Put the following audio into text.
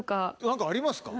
何かありますか？